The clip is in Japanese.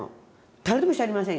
誰ともしゃべりませんよ。